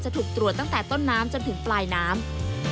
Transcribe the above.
ถูกตรวจตั้งแต่ต้นน้ำจนถึงปลายน้ำ